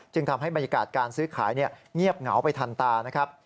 ทำให้บรรยากาศการซื้อขายเงียบเหงาไปทันตานะครับ